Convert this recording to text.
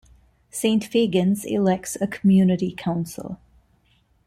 Saint Fagans elects a community council.